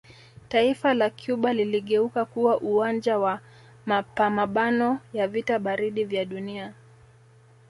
Taifa la Cuba liligeuka kuwa uwanja wa mapamabano ya vita baridi vya dunia